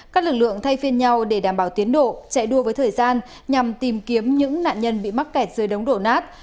các lực lượng thay phiên nhau để đảm bảo tiến độ chạy đua với thời gian nhằm tìm kiếm những nạn nhân bị mắc kẹt dưới đống đổ nát